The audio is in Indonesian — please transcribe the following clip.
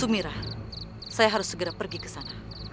sumirah saya harus segera pergi ke sana